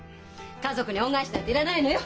家族に恩返しなんていらないのよ！